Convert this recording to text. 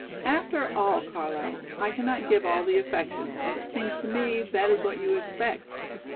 After all, Carlo, I cannot give all the affection and it seems to me that is what you expect.